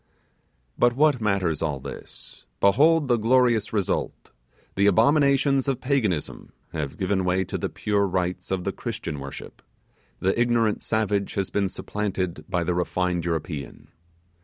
But what matters all this? Behold the glorious result! The abominations of Paganism have given way to the pure rites of the Christian worship, the ignorant savage has been supplanted by the refined European!